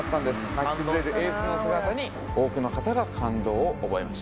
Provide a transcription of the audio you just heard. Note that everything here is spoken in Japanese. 泣き崩れるエースの姿に多くの方が感動を覚えました。